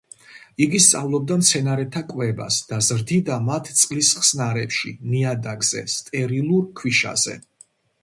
იგი სწავლობდა მცენარეთა კვებას და ზრდიდა მათ წყლის ხსნარებში, ნიადაგზე, სტერილურ ქვიშაზე.